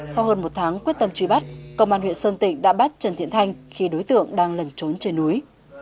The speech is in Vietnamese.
sau hơn một tháng quyết tâm truy bắt công an huyện sơn tịnh đã bắt trần thiện thanh khi đối tượng đang lẩn trốn trên núi